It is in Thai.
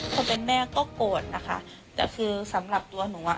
คนเป็นแม่ก็โกรธนะคะแต่คือสำหรับตัวหนูอ่ะ